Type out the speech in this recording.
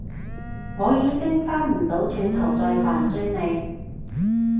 我已經返唔到轉頭再扮追你